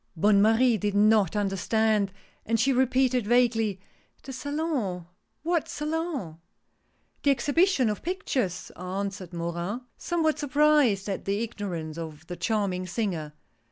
Bonne Marie did not understand, and she repeated, vaguely :" The Salon ! What Salon ?" "The Exhibition of Pictures!" answered Morin, somewhat surprised at the ignorance of the charming singer.